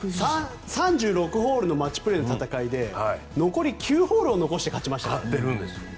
３６ホールのマッチプレーの戦いで残り９ホールを残して勝ちましたから。